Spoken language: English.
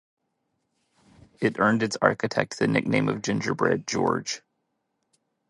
It earned its architect the nickname of "Gingerbread George".